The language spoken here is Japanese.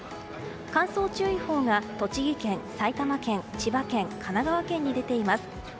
乾燥注意報が栃木県、埼玉県千葉県、神奈川県に出ています。